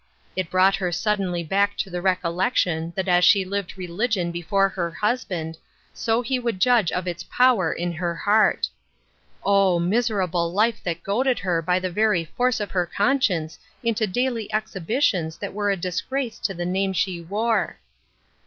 It brought her suddenly back to the recollection that as she lived religion be Il8 COMING TO AN UNDERSTANDING. fore her husband, so he would judge of its power in her heart. Oh ! miserable life that goaded her by the very force of her conscience into daily ex hibitions that were a disgrace to the name she wore